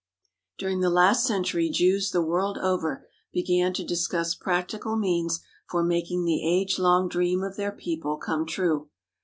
During the last century Jews the world over began to discuss practical means for making the age long dream of their people come true.